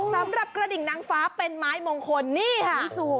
สำหรับกระดิ่งนางฟ้าเป็นไม้มงคลนี่ค่ะ